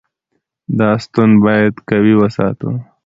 دا ستون باید قوي وساتو.